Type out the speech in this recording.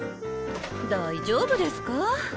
大丈夫ですかァ？